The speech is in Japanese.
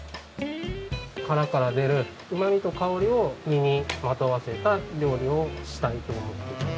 殻から出るうまみと香りを身にまとわせた料理をしたいと思っています。